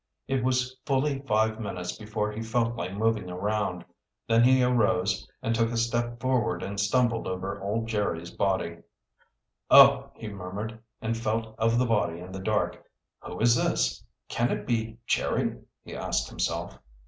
It was fully five minutes before he felt like moving around. Then he arose and took a step forward and stumbled over old Jerry's body. "Oh!" he murmured, and felt of the body in the dark, "Who is this? Can it be Jerry?" he asked himself.